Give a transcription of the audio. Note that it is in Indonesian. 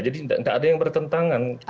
jadi tidak ada yang bertentangan